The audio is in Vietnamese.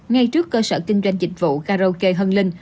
ngay trước cơ sở kinh doanh dịch vụ karaoke hân linh